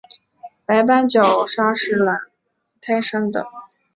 白斑角鲨是卵胎生的。